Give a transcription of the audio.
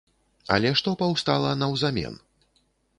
Але што паўстала наўзамен?